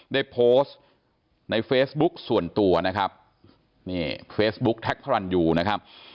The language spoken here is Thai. ได้โพสต์ในเฟซบุ๊กส่วนตัวนะครับนี่เฟซบุ๊คแท็กพระรันยูนะครับ